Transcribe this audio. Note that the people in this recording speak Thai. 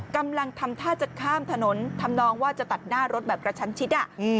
กำลังทำท่าจะข้ามถนนทำนองว่าจะตัดหน้ารถแบบกระชั้นชิด